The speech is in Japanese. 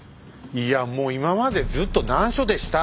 いやもう今までずっと難所でした！